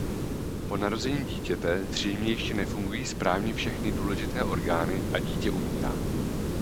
Po narození dítěte zřejmě ještě nefungují správně všechny důležité orgány a dítě umírá.